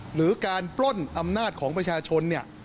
หรือการปล้นอำนาจของประชาชนเนี่ย